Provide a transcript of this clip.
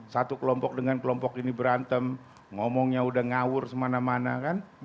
satu kelompok dengan kelompok ini berantem ngomongnya udah ngawur semana mana kan